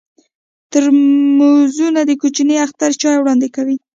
ترموز د کوچني اختر چای وړاندې کوي.